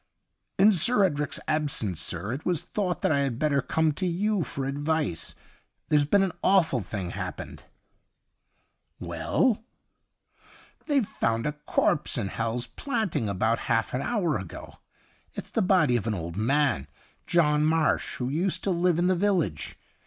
' In Sir Edric's absence, sir, it was thought that I had better come to you for advice. There's been an awful thing happened.' ' Well r ' They've found a corpse in Hal's Planting about half an hour ago. It's the body of an old man, John Marsh, who used to live in the vil lage.